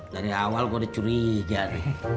dari awal kok dicurigat